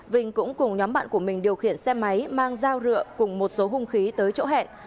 vinh cũng cùng nhóm bạn của mình điều khiển xe máy mang dao rượu cùng một số hung khí tới chỗ hẹn